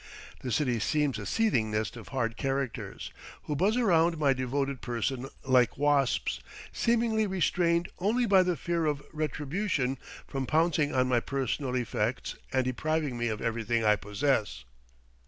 The city seems a seething nest of hard characters, who buzz around my devoted person like wasps, seemingly restrained only by the fear of retribution from pouncing on my personal effects and depriving me of everything I possess.